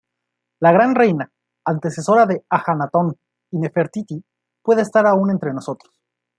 La gran reina, antecesora de Ajenatón y Nefertiti, puede estar aún entre nosotros.